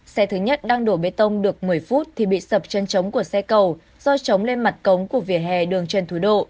xe thứ nhất đang đổ bê tông được một mươi phút thì bị sập chân trống của xe cầu do trống lên mặt cống của vỉa hè đường trần thủ độ